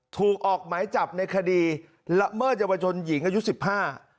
ถูกออกหมายจับในคดีลับเมิ่วเฉวจนหญิงอยู่สิบห้า